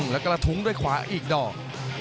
และกระทุ้งด้วยขวาอีกดอก